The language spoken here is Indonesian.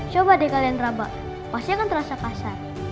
coba deh kalian raba pasti akan terasa kasar